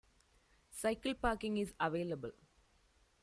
Cycle parking is available.